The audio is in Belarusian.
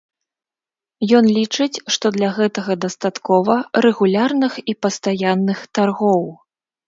Ён лічыць, што для гэтага дастаткова рэгулярных і пастаянных таргоў.